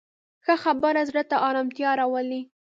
ښه خبره زړه ته ارامتیا راولي